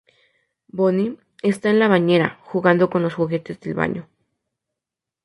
Bonnie está en la bañera, jugando con los juguetes del baño.